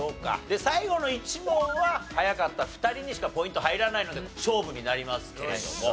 で最後の１問は早かった２人にしかポイント入らないので勝負になりますけれども。